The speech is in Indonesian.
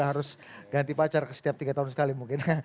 harus ganti pacar setiap tiga tahun sekali mungkin